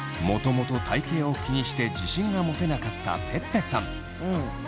もともと体型を気にして自信が持てなかったぺっぺさん。